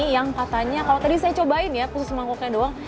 yang katanya kalau tadi saya cobain ya khusus mangkuknya doang